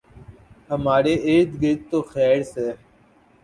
ہمارے اردگرد تو خیر سے